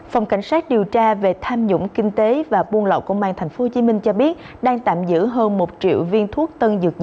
phòng cảnh sát điều tra về tham dũng kinh tế và buôn lậu công an tp hcm cho biết